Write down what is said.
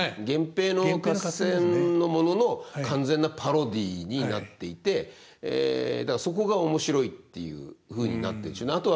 源平の合戦のものの完全なパロディーになっていてだからそこがおもしろいっていうふうになってんでしょうね。